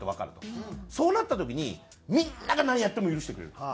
そうなった時にみんなが何やっても許してくれると。